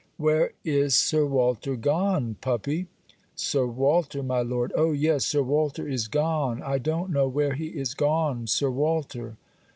'Where is Sir Walter gone, puppy?' 'Sir Walter, my Lord! Oh yes Sir Walter is gone I don't know where he is gone, Sir Walter.'